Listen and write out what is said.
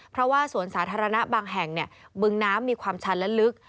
เพราะว่าสวนสาธารณะบางแห่งบึงน้ำมีความชันและลึก